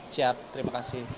siap terima kasih